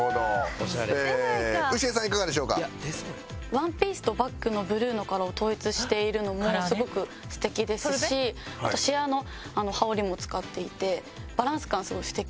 ワンピースとバッグのブルーのカラーを統一しているのもすごく素敵ですしあとシアーの羽織も使っていて。